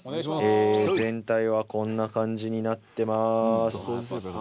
え全体はこんな感じになってます。